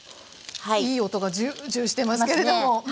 いい音がジュージューしてますけれども。